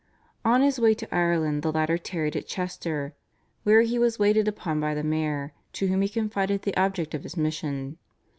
On his way to Ireland the latter tarried at Chester, where he was waited upon by the mayor, to whom he confided the object of his mission.